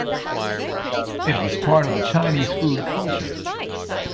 It was part of the Chinese food culture.